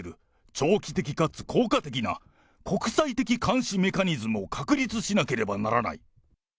長期的かつ効果的な国際的監視メカニズムを確立しなければならない。